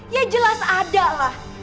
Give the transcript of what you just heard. ya jelas ada lah